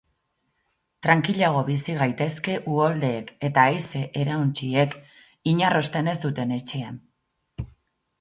Trankilago bizi gaitezke uholdeek eta haize-erauntsiek inarrosten ez duten etxean.